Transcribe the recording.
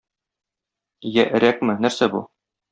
Я өрәкме, нәрсә бу?